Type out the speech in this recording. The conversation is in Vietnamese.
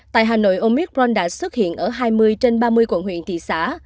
tại hà nội omicron đã xuất hiện ở hai mươi trên ba mươi quận huyện thị xã